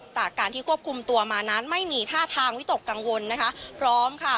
จากการที่ควบคุมตัวมานั้นไม่มีท่าทางวิตกกังวลนะคะพร้อมค่ะ